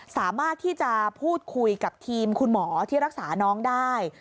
สามารถที่จะพูดคุยกับทีมคุณหมอที่รักษาน้องได้